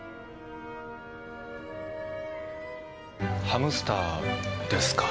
ハムスターですか。